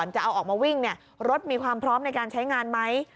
จะเอาออกมาวิ่งรถมีความพร้อมในการใช้งานไหม